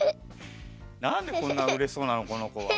なんでこんなうれしそうなのこのこは。